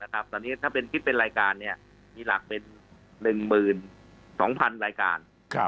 ครับตอนนี้ถ้าเป็นคิดเป็นรายการเนี่ยมีหลักเป็น๑หมื่น๒๐๐๐รายการ